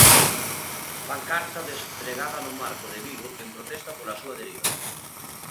Pancarta despregada no Marco de Vigo en protesta pola súa deriva.